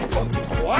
おい！